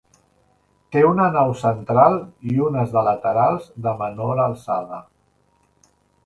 Té una nau central i unes de laterals de menor alçada.